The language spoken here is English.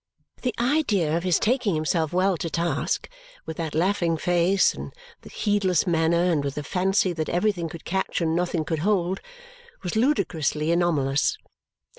The idea of his taking himself well to task, with that laughing face and heedless manner and with a fancy that everything could catch and nothing could hold, was ludicrously anomalous.